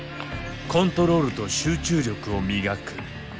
コントロールと集中力を磨く。